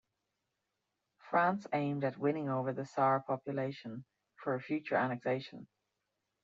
France aimed at winning over the Saar population for a future annexation.